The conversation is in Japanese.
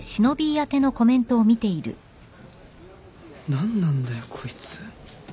何なんだよこいつ。